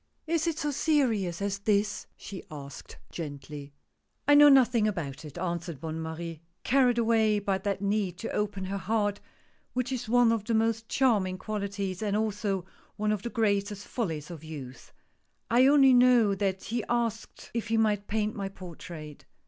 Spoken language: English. " Is it so serious as this ?" she asked gently. 126 THE PORTRAIT. " I know nothing about it," answered Bonne Marie, — carried away by that need to open her heart which, is one of the most charming qualities and also one of the greatest follies of youth — "I only know that he asked if he might paint my portrait."